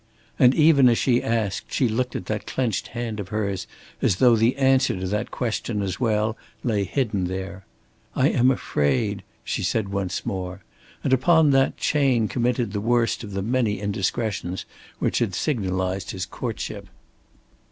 and even as she asked, she looked at that clenched hand of hers as though the answer to that question as well lay hidden there. "I am afraid," she said once more; and upon that Chayne committed the worst of the many indiscretions which had signalized his courtship.